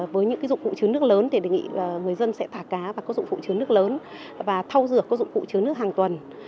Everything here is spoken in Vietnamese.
với những dụng phụ chứa nước lớn thì đề nghị người dân sẽ thả cá và có dụng phụ chứa nước lớn và thau rửa có dụng phụ chứa nước hàng tuần